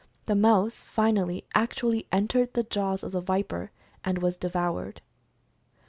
The mouse, finally, actually entered the jaws of the viper, and was devoured.